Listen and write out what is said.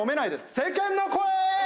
世間の声！